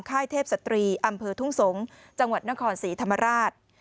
ค่ายเทพศตรีอำเภอทุ่งสงศ์จังหวัดนครศรีธรรมราช